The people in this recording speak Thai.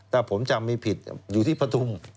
ถ้าผมจำไม่ผิดอยู่ที่ปฐุม